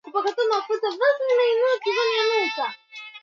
kwa ajili ya soko la bara hindi na sehemu nyengine